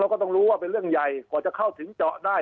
ก็ต้องรู้ว่าเป็นเรื่องใหญ่กว่าจะเข้าถึงเจาะได้